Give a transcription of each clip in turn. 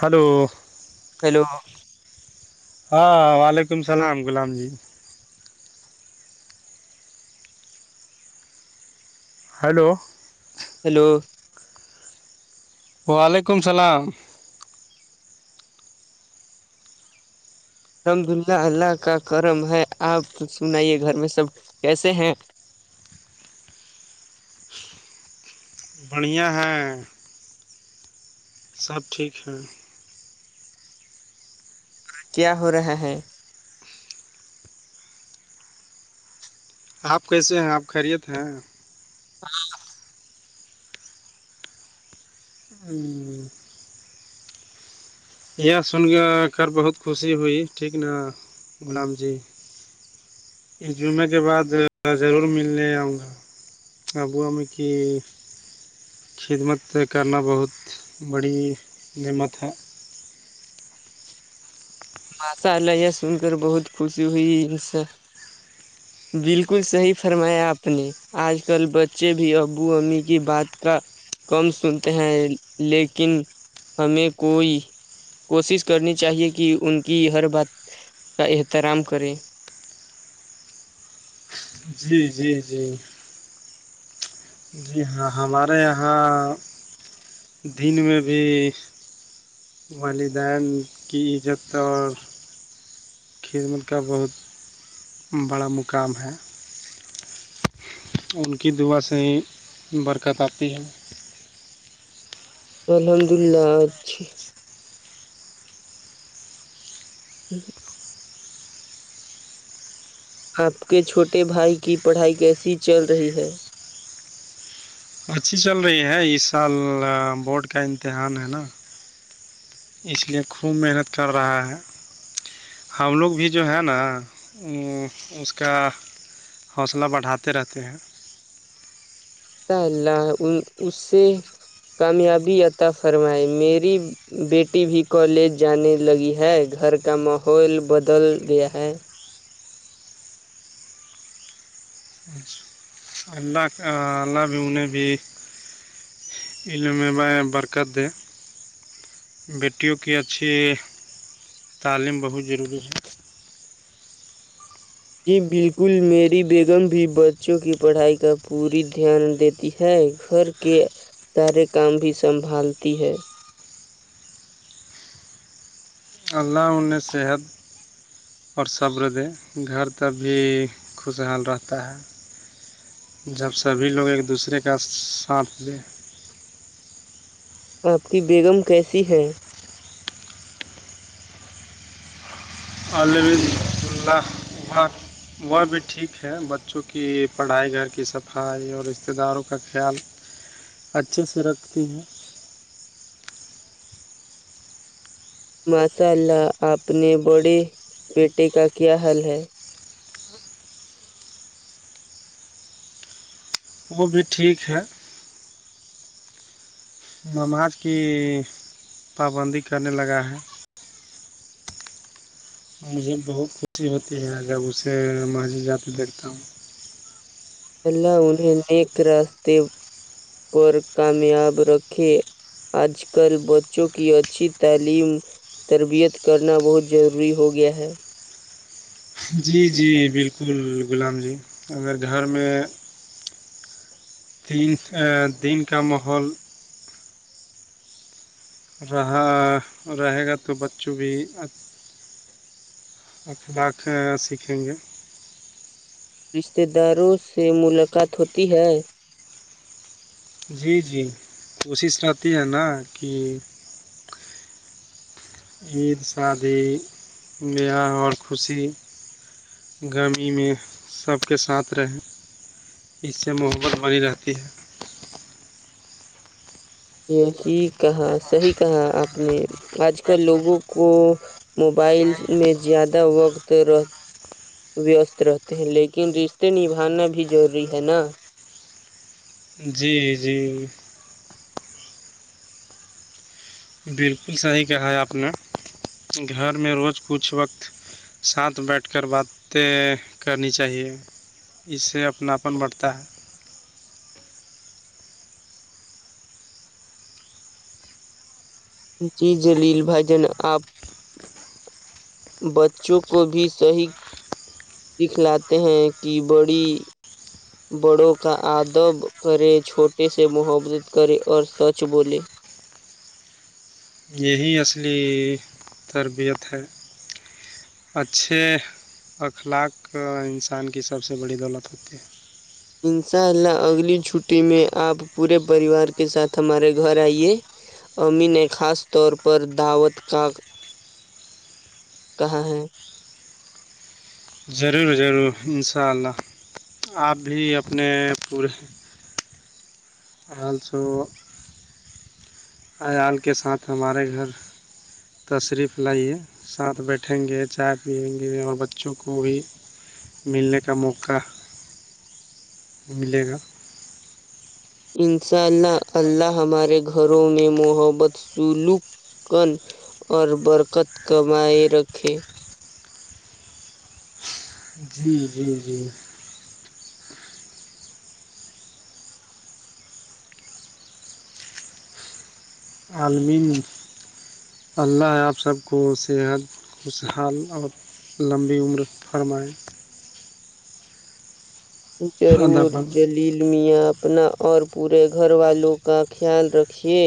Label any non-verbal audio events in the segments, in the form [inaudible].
hello [unintelligible] پلو [inaudible] ہاں وعلیکم السلام غلام جی ہلو [inaudible] ہیلو [unintelligible] وعلیکم السلام رحمد اللہ اللہ کا کرم ہے آپ سنائیے گھر میں سب کیسے ہیں [unintelligible] بڑھیا ہے سب ٹھیک ہے کیا ہو رہا ہے آپ کیسے ہیں آپ خیریت ہیں ہاں [unintelligible] ہوں [inaudible] یہ سن کر کرھر بہت خوشی ہوئی ٹھیک غلام جی ایک جمعے کے بعد ضرور ملنے آؤں گا آبو آ میںکی [inaudible] خدمت کرنا بہت بڑی نعمت ہے ماسا الیا سن کر بہت خوشی ہوئی ان سے [unintelligible] [inaudible] بالکل صحیح فرمایا آپ نے آج کل بچے بھی ابو امی کی بات کا کم سنتے ہیں لیکن ہمیں کوئی کوشش کرنی چاہیے کہ ان کی ہر بات کا احترام کریں جی جی جی جی ہاں ہمارے یہاں دن میں بھی والدین کی عزت اور کھیدمت کا بہت بڑا مقام ہے [unintelligible] ان کی دعا سے ہی برکت آتی ہے الحمد اللہ اھی [unintelligible] [inaudible] آپ کے چھوٹے بھائی کی پڑھائی کیسی چل رہی ہے اچھی چل رہی ہے اس سال بورڈ کا امتحان ہے نا اس لیے خوب محنت کر رہا ہے ہم لوگ بھی جو ہیں نا اس کا حوصلہ بڑھاتے رہتے ہیں الاء اللہ اس سے کامیابی عطا فرمائے میری بیٹی بھی کالج جانے لگی ہے گھر کا ماحول بدل گیا ہے [inaudible] اللہ اللہ بھی انہیں بھی ان میں ب برک د بیٹیوں کی اچھی تعلیم بہت ضروری ہے جی بالکل میری بیگم بھی بچوں کی پڑھائی کا پوری دھیان دیتی ہے گھر کے سارے کام بھی سنبھالتی ہے اللہ انن نے صحت اور صبر دے گھر تک بھی خوشحال رہتا ہے جب سبھی لوگ ایک دوسرے کا ساتھ لے آپ کی بیگم کیسی ہے عال عد اللہ عبار وہ بھی ٹھیک ہے بچوں کی پڑھائی گھر کی صفائی اور رشتتے داروں کا خیال اچھے سے رکھتی ہیں ماشاء اللہ آپنے بڑے بیٹے کا کیا حال ہے وہ بھی ٹھیک ہے نماز کی پابندی کرنے لگا ہے مجھے بہت خوشی ہوتی ہے جب اسے ماجید جاتے دیکھتا ہوں اللہ انہیں نیک راستے پر کامیاب رکھے آج کل بچوں کی اچ تلیم تربیت کرنا بہت ضروری ہو گیا ہے جی جی بالکل غلام جی اگر گھر میں ت دن کا ماحول رہا رہے گا تو بچوں بھی آلااک سیکھیں گے رشتہ داروں سے ملاقات ہوتی ہے جی جی کوشش رہتی ہے نا کہ عید سادھی بیاا اور خوش گاممی میں سب کے ساتھ رہے اس سے محبت بنی رہتی ہے یہ کہا صحیح کہا آپ نے آج کل لوگوں کو موبائلس میں زیادہ وقت رہ ویست رہتے ہیں لیکن رشتے نبھانا بھی ضروری ہے نا جی جی بالکل صحیح کہا ہے آپ نے گھر میں روز کچھ وقت ساتھ بیٹھ کر باتیں کرنی چاہیے اس سے اپناپن بڑھتا ہے جی جلیل بھائی جن آپ بچوں کو بھی صحیح سکھ لاتے ہیں کہ بڑی بڑوں کا آدب کرے چھوٹے سے محبت کرے اور سچ بولے یہی اصلی تربیت ہے اچھے اخلاق انسان کی سب سے بڑی دولت ہوتی ہے انشاء اللہ اگلی چھٹی میں آپ پورے پریوار کے ساتھ ہمارے گھر آئیے امی نے خاص طور پر دعوت کا [unintelligible] کہاں ہے ضرور ضرور ان شاء اللہ آپ بھی اپنے پورے آل سو عیال کے ساتھ ہمارے گھر تشریف لائیے ساتھ بیٹھیں گے چائے پیئیں گے اور بچوں کو بھی ملنے کا موقع ملے گا انشاء اللہ اللہ ہمارے گھروں میں محبت سلوک کن اور برکت کمائی رکھے جی جی جی علمین [unintelligible] اللہ آپ سب کو صحت خوشحال اور لمبی عمر فرمائیں ادا ضرور فرمائے جل [unintelligible] لیل میاں اپنا اور پورے گھر والوں کا خیال رکھیے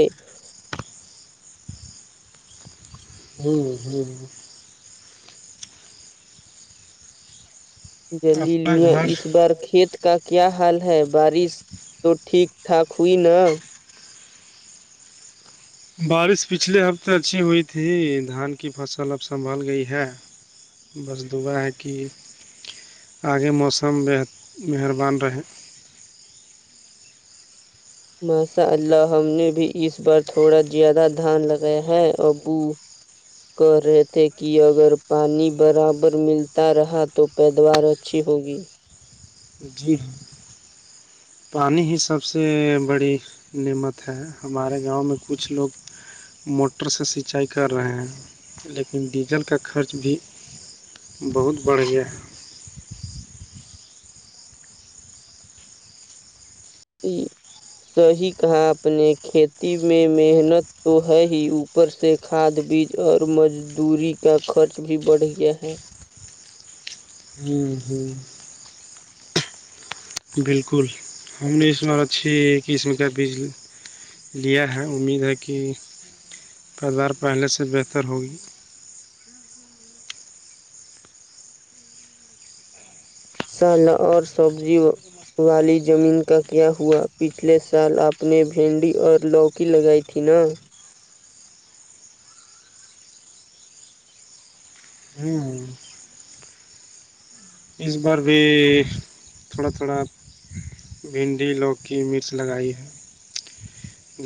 ھممم ھمم جلیل اپنا میاں گھر اس بار کھیت کا کیا حال ہے بارش تو ٹھیک ٹھاک ہوئی نا بارش پچھلے ہفتے اچھی ہوئی تھی دھان کی فصل اب سنبھال گئی ہے بس دا ہے کہ [unintelligible] آگے موسم ب مہربان رہے [unintelligible] ماشاء اللہ ہم نے بھی اس بار تھوڑا زیادہ دھان لگایا ہے ا بو کہ رہے تھے کہ اگر پانی برابر ملتا رہا تو پیدوار اچھی ہوگی جی پانی ہی سب سے بڑی نعمت ہے ہمارے گاؤں میں کچھ لوگ موٹر سے سینچائی کر رہے ہیں لیکن ڈیزل کا خرچ بھی بہت بڑھیا صی کہا اپ نے کھیتی میں محنت تو ہے ہی اوپر ار سے کھاد بیج اور مزدوری کا خرچ بھی بڑھ گیا ہے ھمم ھمم بالکل ہم نے اسناا چھ قسم کا بیج [unintelligible] لیا ہے امید ہے کہ توار پہلے سے بہتر ہوگی مسالا اور سبزی والی زمین کا کیا ہوا پچھلے سال آپ نے بینڈی اور لوگ کی لگائی تھی نہ ھمم اس بار بھی تھوڑا تھوڑا بھنڈی لو کی مرچ لگائی ہے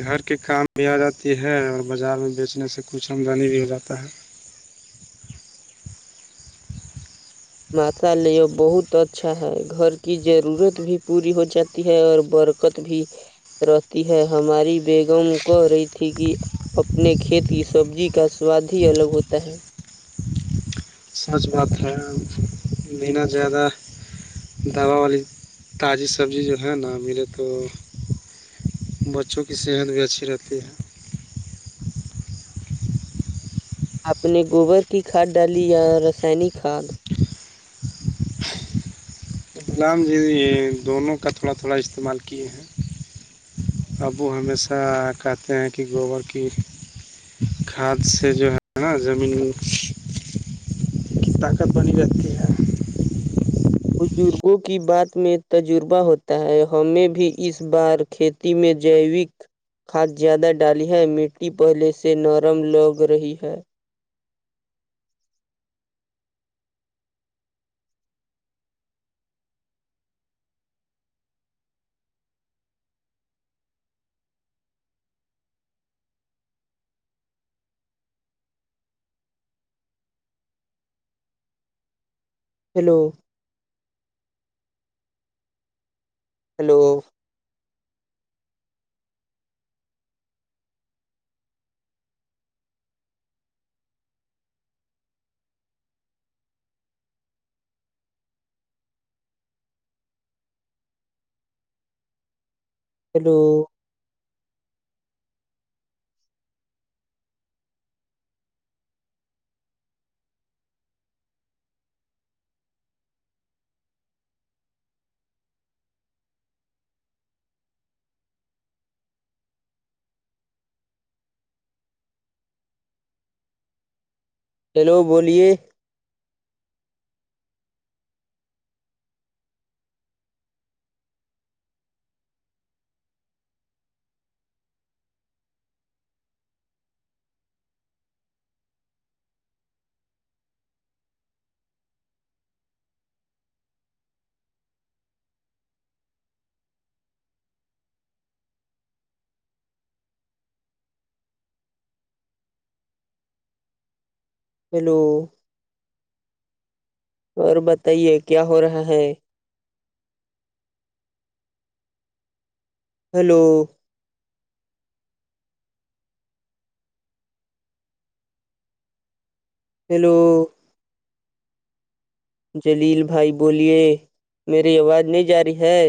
گھر کے کام بھی آ جاتی ہے اور بازار میں بیچنے سے کچھ آمدنی بھی ہو جاتا ہے ماتا لیے بہت اچھا ہے گھر کی ضرورت بھی پوری ہو جاتی ہے اور برکت بھی رہتی ہے ہماری بیگم کہ رہی تھی کہ اپنے کھیت کی سبزی کا سواد ہی الگ ہوتا ہے سچ بات ہے بنا زیادہ دوبا والی تازی سبزی جو ہے نا ملے تو بچوں کی صحت بھی اچھی رہتی ہے آپ نے گوبر کی کھاد ڈالی یا رسائنک کھاد لام جی دونوں کا تھوڑا تھوڑا استعمال کیے ہیں ابو ہمیشہ کہتے ہیں کہ گوبر کی کاد سے جو ہے زمین طاقت بنی رتی ہے بزرگوں کی بات میں تجربہ ہوتا ہے ہمیں بھی اس بار کھیت تی میں جیوک کھاد زیادہ ڈالی ہے مٹی پہلے سے نرم لگ رہی ہے ہیلو ہیلو ہیلو ہیلو بولیے ہیلو اور بتائیے کیا ہو رہا ہے ہلو ہیلو جلیل بھائی بولیے میری آواز نہیں جا رہی ہے